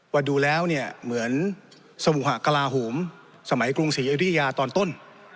ว่าดูแล้วเนี่ยเหมือนสมุหากลาโหมสมัยกรุงศรีอยุธยาตอนต้น